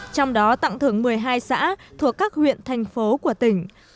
trong đó tặng thưởng một mươi hai xã thuộc các huyện thành phố của tỉnh